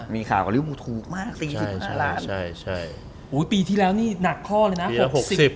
มีข่ากันลิ๊วปุ๊บทูกมากสี่หกพิกัสล้านใช่ใช่อุ้ยปีที่แล้วนี่หนักข้อเลยน่ะหกสิบเจ็ดสิบ